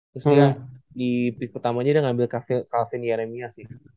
terus dia di periksa pertamanya udah ngambil carlsen yeremia sih